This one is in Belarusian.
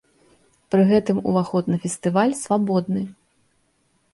Пры гэтым ўваход на фестываль свабодны.